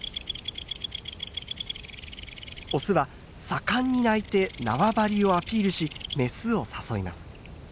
オスは盛んに鳴いて縄張りをアピールしメスを誘います。